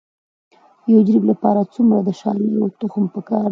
د یو جریب لپاره څومره د شالیو تخم پکار دی؟